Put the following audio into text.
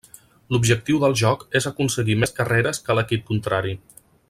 L'objectiu del joc és aconseguir més carreres que l'equip contrari.